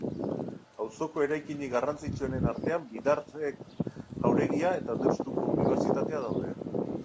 Auzoko eraikinik garrantzitsuenen artean Bidarte jauregia eta Deustuko Unibertsitatea daude.